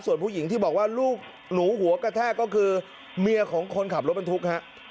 ส่วนผู้หญิงที่บอกว่าลูกหนูหัวกระแทกก็คือเมียของคนขับรถบรรทุกฮะ